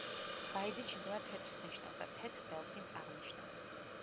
ბაიძი ჩინურად თეთრს ნიშნავს და „თეთრ დელფინს“ აღნიშნავს.